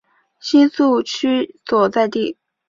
新宿区所在地。